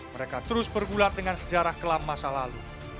mereka terus bergulat dengan sejarah kelam masa lalu